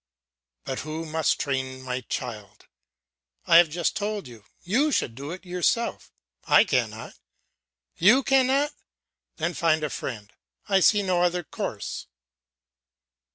"But who must train my child?" "I have just told you, you should do it yourself." "I cannot." "You cannot! Then find a friend. I see no other course."